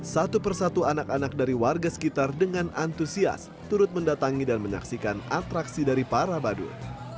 satu persatu anak anak dari warga sekitar dengan antusias turut mendatangi dan menyaksikan atraksi dari para badut